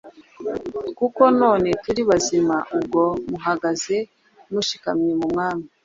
kuko none turi bazima, ubwo muhagaze mushikamye mu Mwami.